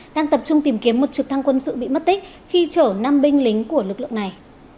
đang tập trung tìm kiếm một trực thăng quân sự bị mất tích khi chở năm binh lính của lực lượng này